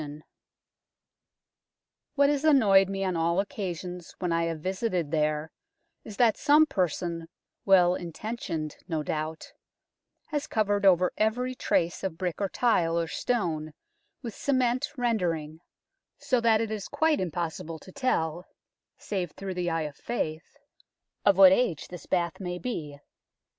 104 UNKNOWN LONDON What has annoyed me on all occasions when I have visited there is that some person, well intentioned no doubt, has covered over every trace of brick or tile or stone with cement render ing, so that it is quite impossible to tell, save through the eye of faith, of what age this bath may be.